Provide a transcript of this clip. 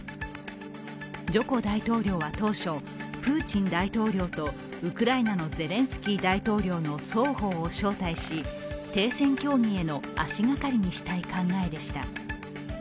ジョコ大統領は当初プーチン大統領とウクライナのゼレンスキー大統領の双方を招待し、停戦協議への足掛かりにしたい考えでした。